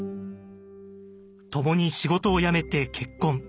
共に仕事を辞めて結婚。